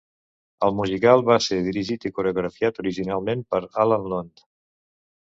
El musical va ser dirigit i coreografiat originalment per Alan Lund.